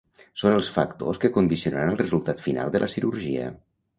Són els factors que condicionaran el resultat final de la cirurgia.